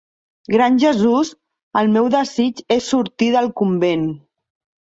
Gran Jesús, el meu desig és sortir del convent.